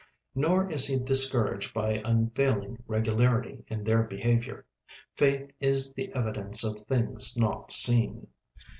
Nor is he discouraged by unfailing regularity in their behaviour. Faith is "the evidence of things not seen."